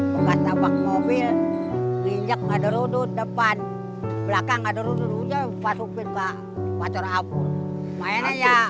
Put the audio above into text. mobil rinyak ada rhodot depan belakang ada rhodotnya pasupin pak pak coroapul mainnya